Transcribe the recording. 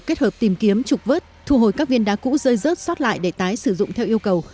kết hợp tìm kiếm trục vớt thu hồi các viên đá cũ rơi rớt xót lại để tái sử dụng theo yêu cầu